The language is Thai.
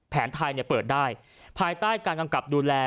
แผนไทยเปิดได้ภายใต้การกำกับดูแล